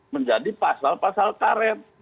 menjadi pasal pasal karet